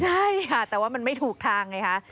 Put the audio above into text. ใช่ค่ะแต่ว่ามันไม่ถูกทางไงคะ